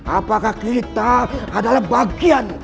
apakah kita adalah bagian